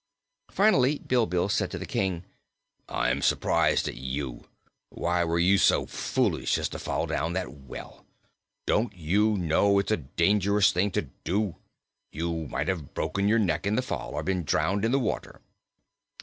Finally Bilbil said to the King: "I'm surprised at you. Why were you so foolish as to fall down that well? Don't you know it's a dangerous thing to do? You might have broken your neck in the fall, or been drowned in the water."